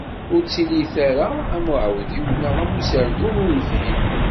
Ur ttilit ara am uɛawdiw neɣ am userdun ur nefhim.